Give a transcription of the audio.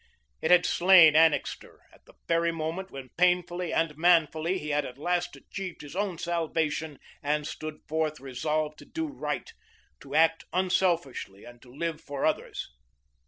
It had slain Annixter at the very moment when painfully and manfully he had at last achieved his own salvation and stood forth resolved to do right, to act unselfishly and to live for others.